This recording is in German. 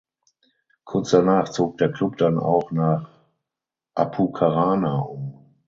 Kurz danach zog der Klub dann auch nach Apucarana um.